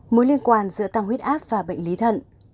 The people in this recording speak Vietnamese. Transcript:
mối liên quan giữa tăng huyết áp và bệnh lý thận